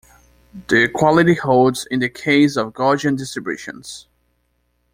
The equality holds in the case of Gaussian distributions.